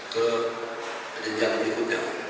ke peninjauan berikutnya